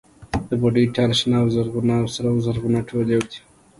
د بوډۍ ټال، شنه و زرغونه او سره و زرغونه ټول يو دي.